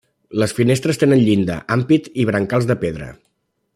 Les finestres tenen llinda, ampit i brancals de pedra.